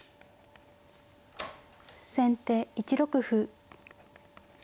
先手１六歩。